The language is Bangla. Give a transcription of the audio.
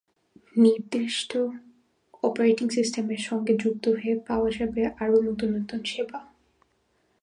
নির্দিষ্ট অপারেটিং সিস্টেমের সঙ্গে যুক্ত হয়ে পাওয়া যাবে আরও নতুন নতুন সেবা।